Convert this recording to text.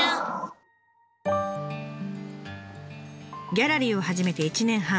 ギャラリーを始めて１年半。